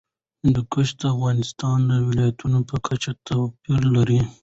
هندوکش د افغانستان د ولایاتو په کچه توپیر لري.